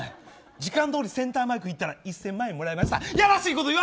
時間どおりセンターマイク行ったら１０００万円もらえました。